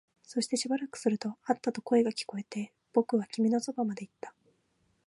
そしてしばらくすると、あったと声が聞こえて、僕は君のそばまで行った